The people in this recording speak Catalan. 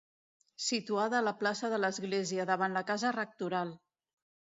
Situada a la plaça de l'església, davant la casa rectoral.